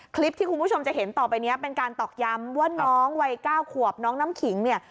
คลิปที่คุณผู้ชมจะเห็นต่อไปนี้เป็นการตอกย้ำว่าน้องวัย๙ขวบน้องน้ำขิงเนี่ย